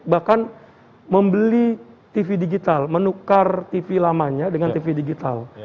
bahkan membeli tv digital menukar tv lamanya dengan tv digital